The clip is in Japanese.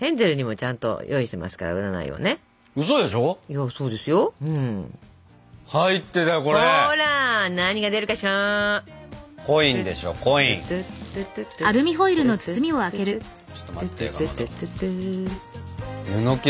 ちょっと待ってかまど。